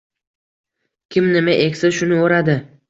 Kim nima eksa, shuni o`radi